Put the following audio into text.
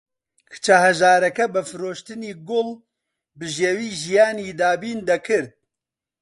کچە هەژارەکە بە فرۆشتنی گوڵ بژێوی ژیانی دابین دەکرد.